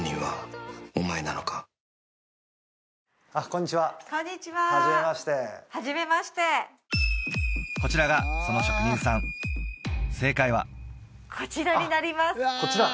こんにちははじめましてこんにちははじめましてこちらがその職人さん正解はこちらになりますこちら？